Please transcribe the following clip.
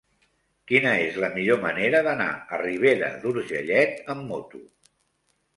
Quina és la millor manera d'anar a Ribera d'Urgellet amb moto?